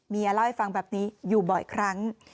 เล่าให้ฟังแบบนี้อยู่บ่อยครั้ง